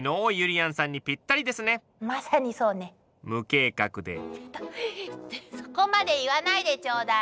ちょっとそこまで言わないでちょうだい。